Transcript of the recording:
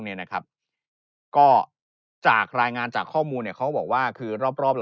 เนี่ยนะครับแล้วก็จากรายงานจากข้อมูลเนี่ยเขาก็บอกว่าคือรอบรอบ